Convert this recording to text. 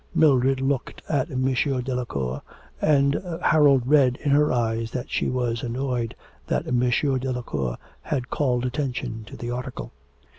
Mildred looked at M. Delacour, and Harold read in her eyes that she was annoyed that M. Delacour had called attention to the article.